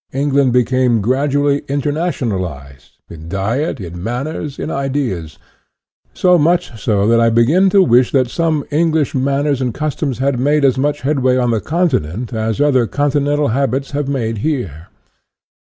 England became grad ually internationalized, in diet, in manners, in ideas ; so much so that I begin to wish that some English manners and customs had made as much headway on the Continent as other continental habits have made here.